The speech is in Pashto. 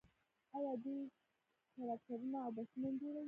آیا دوی ټراکټورونه او بسونه نه جوړوي؟